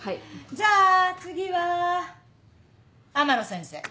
じゃあ次は天野先生。